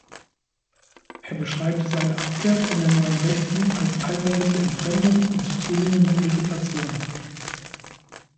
Er beschreibt seine Abkehr von der Neuen Rechten als „allmähliche Entfremdung und zunehmende Irritation“.